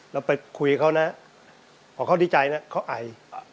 เราไปคุยเขานะบอกเขาดีใจนะเขาไอ